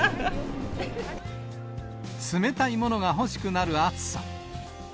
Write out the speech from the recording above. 冷たいものが欲しくなる暑さ。